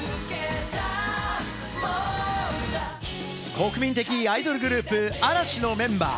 国民的アイドルグループ・嵐のメンバー。